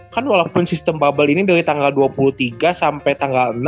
kan walaupun sistem bubble ini dari tanggal dua puluh tiga sampai tanggal enam